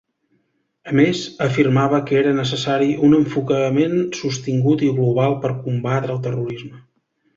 A més, afirmava que era necessari un enfocament sostingut i global per combatre el terrorisme.